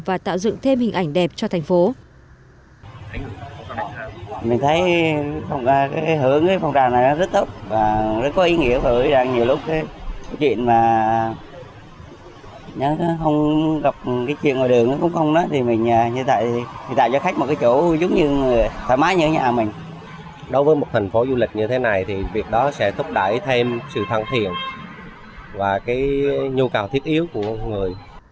và tạo dựng thêm hình ảnh đẹp cho thành phố